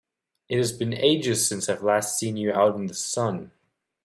It has been ages since I've last seen you out in the sun!